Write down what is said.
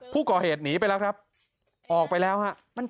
ผู้ก่อเหตุหนีไปแล้วครับออกไปแล้วฮะ